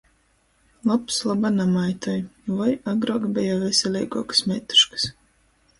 Lobs loba namaitoj, voi - agruok beja veseleiguokys meituškys...